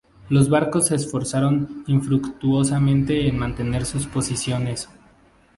Los barcos se esforzaron infructuosamente en mantener sus posiciones.